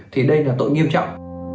thì đây là tội nghiêm trọng